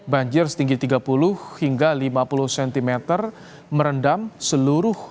banjir setinggi tiga puluh hingga lima puluh cm merendam seluruh